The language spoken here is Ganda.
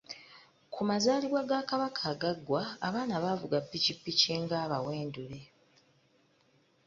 Ku mazaalibwa ga Kabaka agaggwa, abaana baavuga ppikipiki ng'abaweendule.